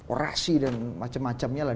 orasi dan macam macamnya